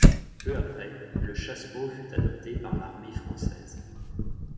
Peu après, le Chassepot fut adopté par l'armée française.